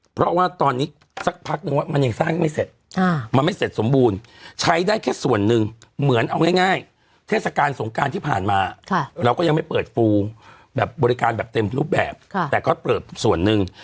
เพราะว่าตอนนี้สักพักนึงว่ามันยังสร้างไม่เสร็จมันไม่เสร็จสมบูรณ์ใช้ได้แค่ส่วนหนึ่งเหมือนเอาง่ายเทศกาลสงการที่ผ่านมาเราก็ยังไม่เปิดฟูแบบบริการแบบเต็มรูปแบบแต่ก็เปิดส่วนหนึ่ง